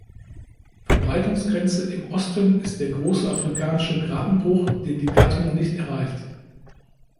Verbreitungsgrenze im Osten ist der Große Afrikanische Grabenbruch, den die Gattung nicht erreicht.